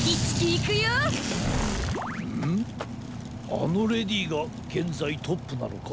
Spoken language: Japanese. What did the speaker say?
あのレディーがげんざいトップなのか。